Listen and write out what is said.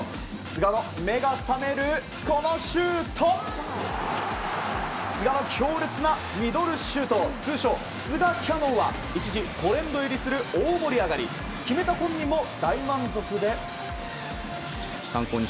菅の強烈なミドルシュート通称、菅キヤノンは一時、トレンド入りする大盛り上がり決めた本人も大満足で。